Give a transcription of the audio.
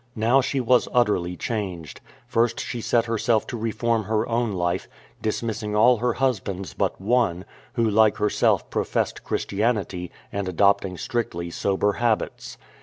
Now she was utterly changed. First she set herself to reform her own life, dismissing all her husbands but one, who like herself professed Christian ity, and adopting strictly sober habits.